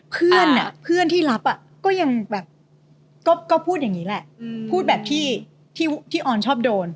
เพื่อนเพื่อนที่รับก็ยังแบบก็พูดอย่างนี้แหละพูดแบบที่ออนชอบโดน